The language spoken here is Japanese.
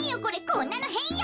こんなのへんよ！